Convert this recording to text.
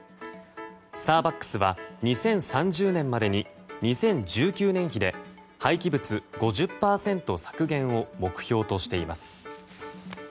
スターバックスは２０３０年までに２０１９年比で廃棄物５０％削減を目標としています。